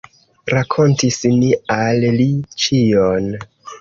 Rakontis ni al li ĉion.